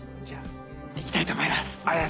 じゃあ行きたいと思います。